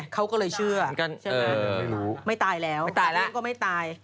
เขาก็เลยเชื่อไม่ตายแล้วคนก็ไม่ตาย